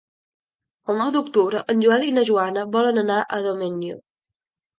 El nou d'octubre en Joel i na Joana volen anar a Domenyo.